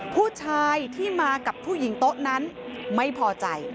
ผู้ชายที่มากับผู้หญิงโต๊ะนั้นไม่พอใจ